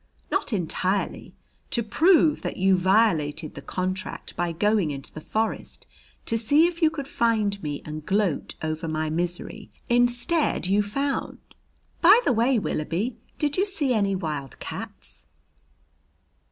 "Not entirely. To prove that you violated the contract by going into the forest to see if you could find me and gloat over my misery. Instead you found By the way, Willoughby, did you see any wild cats?"